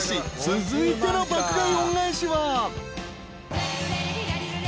続いての爆買い恩返しは］